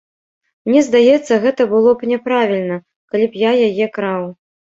Мне здаецца, гэта было б няправільна, калі б я яе краў.